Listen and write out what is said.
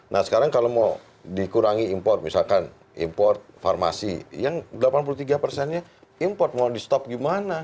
nah sekarang kalau mau dikurangi impor misalkan impor farmasi yang delapan puluh tiga persennya import mau di stop gimana